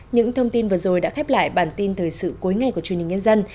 những thông tin vừa rồi đã khép lại bản tin thời sự cuối ngày của truyền hình nhân dân